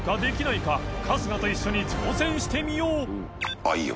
あっいいよ。